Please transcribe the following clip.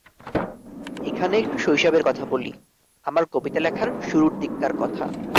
এখানে একটু শৈশবের কথা বলি, আমার কবিতা লেখার শুরুর দিককার কথা।